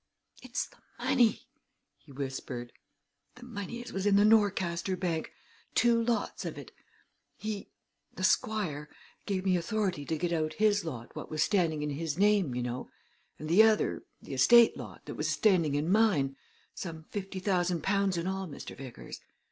"It's the money!" he whispered. "The money as was in the Norcaster Bank two lots of it. He the Squire gave me authority to get out his lot what was standing in his name, you know and the other the estate lot that was standing in mine some fifty thousand pounds in all, Mr. Vickers.